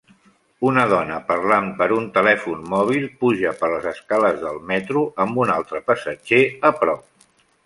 Una dona parlant per un telèfon mòbil puja per les escales del metro amb un altre passatger a prop.